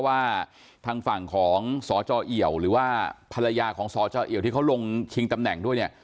ทางฝั่งของสเจ้าเอ๋วหรือว่าภรรยาของสเจ้าเอ๋วที่เขาลงชิงตำแหน่งด้วยเนี่ย